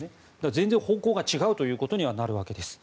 全然方向が違うということにはなるわけです。